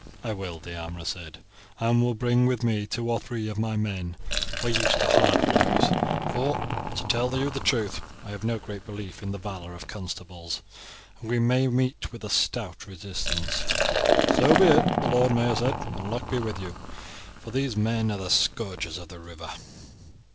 "I will," the armourer said, "and will bring with me two or three of my men who are used to hard blows, for, to tell you the truth, I have no great belief in the valour of constables, and we may meet with a stout resistance." "So be it," the Lord Mayor said; "and luck be with you, for these men are the scourges of the river."